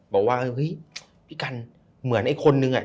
บอกว่าพี่กัลเหมือนไอ้คนนึงอะ